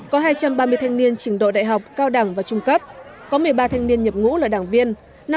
có hai trăm ba mươi thanh niên trình độ đại học cao đẳng và trung cấp có một mươi ba thanh niên nhập ngũ là đảng viên